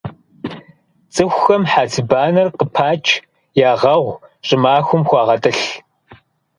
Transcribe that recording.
ЦӀыхухэм хьэцыбанэр къыпач, ягъэгъу, щӀымахуэм хуагъэтӀылъ.